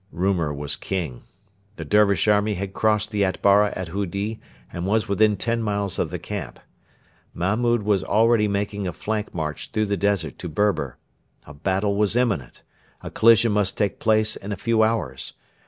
Rumour was king. The Dervish army had crossed the Atbara at Hudi, and was within ten miles of the camp. Mahmud was already making a flank march through the desert to Berber. A battle was imminent. A collision must take place in a few hours.